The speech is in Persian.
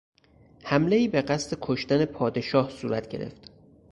حملهای به قصد کشتن پادشاه صورت گرفت.